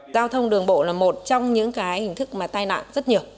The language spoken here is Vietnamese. giao thông đường bộ là một trong những hình thức tai nạn rất nhiều